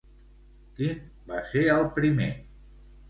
Quin va ser el primer?